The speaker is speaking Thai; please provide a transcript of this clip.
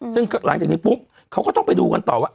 ซึ่งหลังจากนี้ปุ๊บเขาก็ต้องไปดูกันต่อว่า